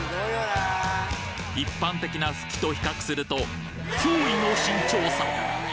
一般的なフキと比較すると驚異の身長差！